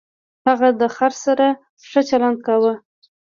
هغه د خر سره ښه چلند کاوه.